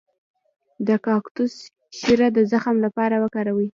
د کاکتوس شیره د زخم لپاره وکاروئ